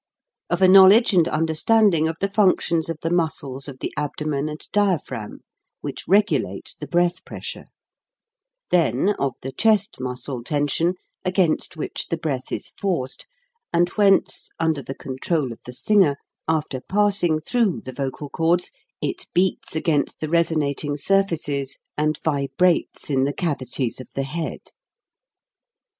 Of a knowledge and understanding of the functions of the muscles of the abdo men and diaphragm, which regulate the breath pressure; then, of the chest muscle tension, against which the breath is forced, and whence, under the control of the singer, after passing through the vocal cords, it beats against the resonating surfaces and vibrates in the cavities of the head.